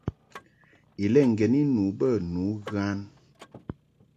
Ilɛ ŋgeni nu bə nu ghan.